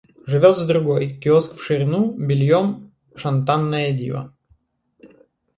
Живет с другой — киоск в ширину, бельем — шантанная дива.